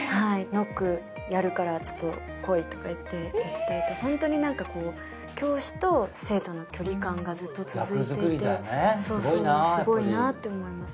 「ノックやるからちょっと来い」とか言ってホントに何か教師と生徒の距離感がずっと続いていてそうそうすごいなって思います